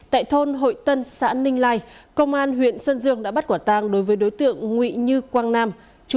tại thôn hội tân xã ninh lai công an huyện sơn dương đã bắt quả tang đối với đối tượng nguy như quang nam